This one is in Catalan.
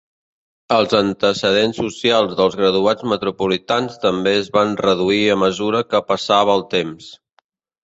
Els antecedents socials dels graduats metropolitans també es van reduir a mesura que passava el temps.